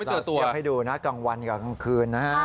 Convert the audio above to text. ไม่เจอตัวอยากให้ดูนะกลางวันกลางคืนนะฮะ